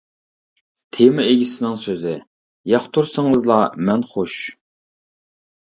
تېما ئىگىسىنىڭ سۆزى : ياقتۇرسىڭىزلا مەن خۇش!